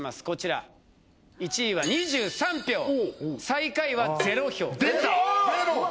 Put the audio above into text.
こちら１位は２３票最下位は０票ゼロ？